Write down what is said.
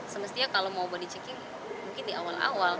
semestinya kalau mau body checking mungkin di awal awal